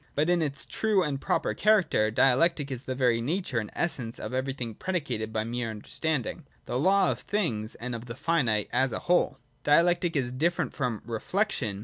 But in its true and proper character, Dialectic is the very nature and essence of everything predicated by mere understanding, — the law of things and of the finite as a whole. Dialectic is different from ' Reflection.'